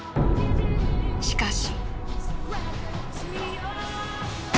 しかし。